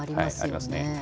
ありますね。